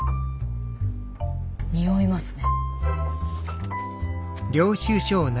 においますね。